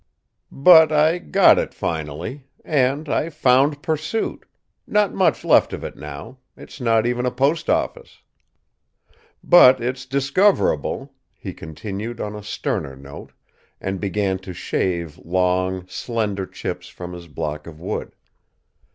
But I got it finally and I found Pursuit not much left of it now; it's not even a postoffice. "But it's discoverable," he continued on a sterner note, and began to shave long, slender chips from his block of wood.